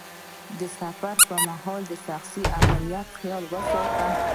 د سفر پر مهال د شخصي امنیت خیال وساته.